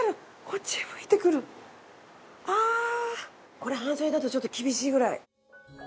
これ半袖だとちょっと厳しいぐらい。